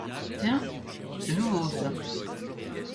Tiens, c’est nouveau, ça.